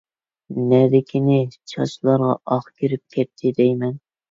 نەدىكىنى، چاچلارغا ئاق كىرىپ كەتتى دەيمەن.